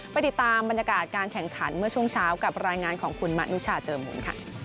ไปติดตามบรรยากาศการแข่งขันเมื่อช่วงเช้ากับรายงานของคุณมะนุชาเจอหมุนค่ะ